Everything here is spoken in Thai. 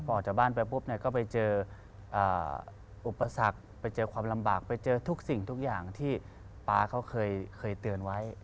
ออกจากบ้านไปปุ๊บเนี่ยก็ไปเจออุปสรรคไปเจอความลำบากไปเจอทุกสิ่งทุกอย่างที่ป๊าเขาเคยเตือนไว้